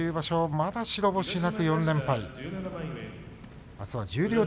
まだ白星なく４連敗。